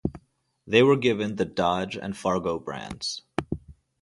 They were given the Dodge and Fargo brands.